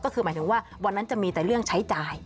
ก็คือหมายถึงว่าวันนั้นจะมีแต่เรื่องใช้จ่าย